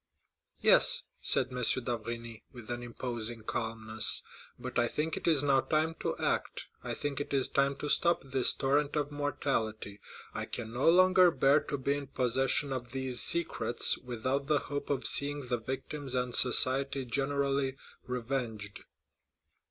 "Yes," said M. d'Avrigny, with an imposing calmness, "but I think it is now time to act. I think it is time to stop this torrent of mortality. I can no longer bear to be in possession of these secrets without the hope of seeing the victims and society generally revenged."